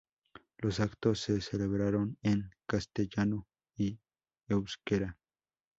Los actos se celebraron en castellano y euskera.